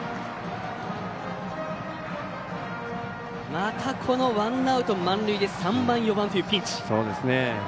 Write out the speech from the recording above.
またこのワンアウト満塁で３番、４番というピンチ。